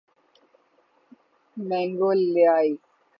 منگولیائی